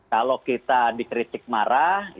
kalau kita dikritik marah